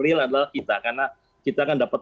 real adalah kita karena kita kan dapat